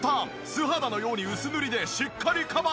素肌のように薄塗りでしっかりカバー。